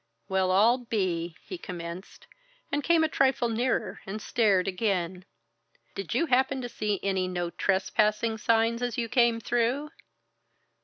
"Well I'll be !" He commenced, and came a trifle nearer and stared again. "Did you happen to see any 'No Trespassing' signs as you came through?"